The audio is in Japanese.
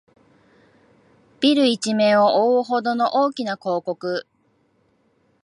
ビル一面をおおうほどの大きな広告